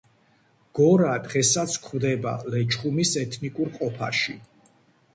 გორა დღესაც გვხვდება ლეჩხუმის ეთნიკურ ყოფაში.